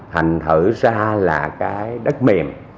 thành thử ra là cái đất mềm